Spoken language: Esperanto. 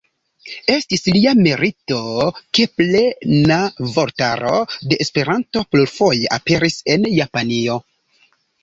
Estis lia merito ke Plena Vortaro de Esperanto plurfoje aperis en Japanio.